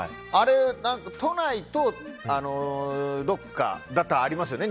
都内とどこかだったらありますよね。